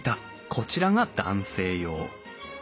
こちらが男性用。